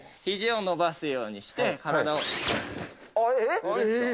ひじを伸ばすようにして、え？